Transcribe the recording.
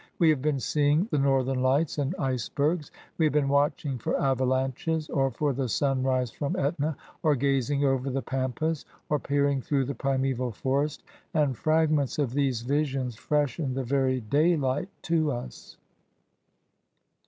We have been seeing the Northern Lights and ice bergs : we have been watching for avalanches, or for the sun rise from Etna, or gazing over the Pampas, Or peiering through the primeval forest ; and fragments of these visions freshen the very daylight to us.